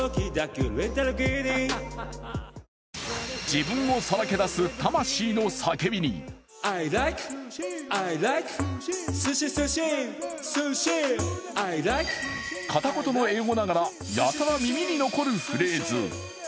自分をさらけ出す魂の叫びにカタコトの英語ながらやたら耳に残るフレーズ。